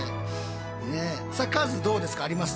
さあカズどうですかあります？